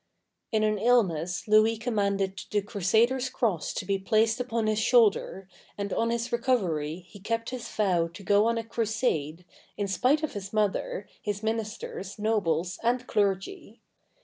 In an illness Louis commanded the crusader's cross to be placed upon his shoulder, and on his recovery he kept his vow to go on a crusade, in spite of his mother, his ministers, nobles, and clergy.